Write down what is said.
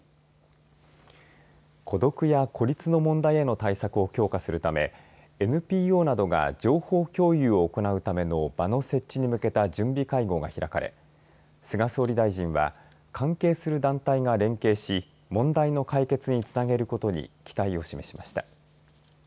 孤独や孤立の問題への対策を強化するためＮＰＯなどが情報共有を行うための場の設置に向けた準備会合が開かれ菅総理大臣は関係する団体が連携し問題の解決につなげることに期待を示しました。